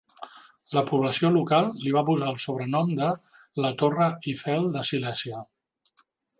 La població local li va posar el sobrenom de "la Torre Eiffel de Silèsia".